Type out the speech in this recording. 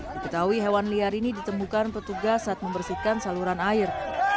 diketahui hewan liar ini ditemukan petugas saat membersihkan saluran air